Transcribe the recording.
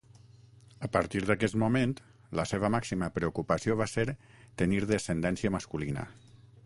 A partir d'aquest moment la seva màxima preocupació va ser tenir descendència masculina.